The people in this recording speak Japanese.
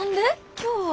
今日は。